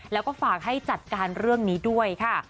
แล้วก็ฝากให้จัดการเรื่องนี้ด้วยค่ะ